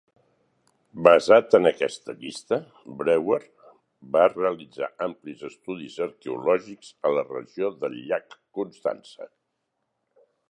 Basat en aquesta llista, Breuer va realitzar amplis estudis arqueològics a la regió del llac Constança.